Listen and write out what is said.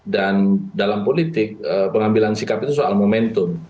dalam politik pengambilan sikap itu soal momentum